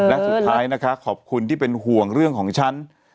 และสุดท้ายนะคะขอบคุณที่เป็นห่วงเรื่องของฉัน